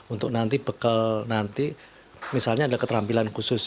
untuk nanti bekal nanti misalnya ada keterampilan khusus